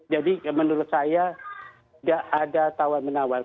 jadi menurut saya nggak ada tawar menawar